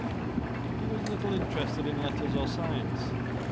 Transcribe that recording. He was little interested in letters or science.